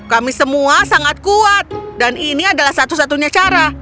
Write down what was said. kami semua sangat kuat dan ini adalah satu satunya cara